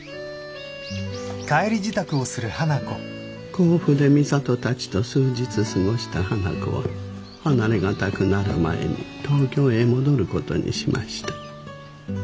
甲府で美里たちと数日過ごした花子は離れ難くなる前に東京へ戻る事にしました。